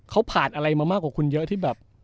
เขาผ่านอะไรมามากกว่าคุณเยอะที่แบบ